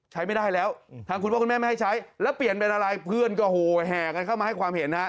ใช้ไม่ได้แล้วทางคุณพ่อคุณแม่ไม่ให้ใช้แล้วเปลี่ยนเป็นอะไรเพื่อนก็โหแห่กันเข้ามาให้ความเห็นฮะ